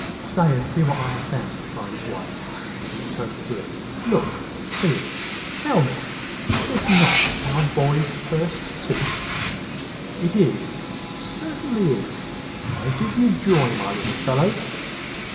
Stay, and see what I have found!" cried his wife, in a tone of glee. "Look! Feel! Tell me is not this our boy's first tooth?" "It is it certainly is. I give you joy, my little fellow!"